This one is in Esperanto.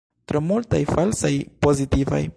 Tro multaj falsaj pozitivaj.